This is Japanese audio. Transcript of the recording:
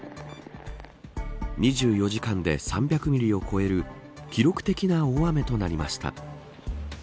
２４時間で３００ミリを超える記録的な大雨となりました。